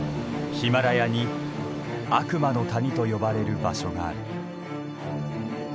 ヒマラヤに悪魔の谷と呼ばれる場所がある。